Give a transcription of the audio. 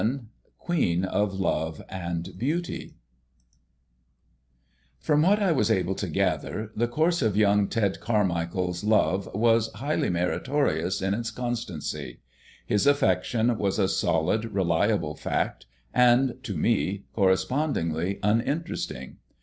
XI QUEEN OF LOVE AND BEAUTY From what I was able to gather, the course of young Ted Carmichael's love was highly meritorious in its constancy. His affection was a solid, reliable fact, and, to me, correspondingly uninteresting.